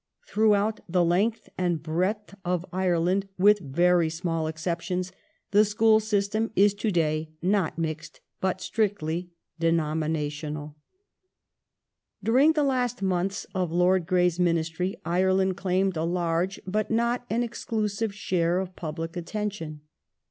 Throughout the length and breadth of Ireland, with very small exceptions, the school system is to day not "mixed" but strictly denominational. During the last months of Lord Grey's Ministry Ireland claimed 116 IRISH AFFAIRS [1833 Lord a large but not an exclusive share of public attention.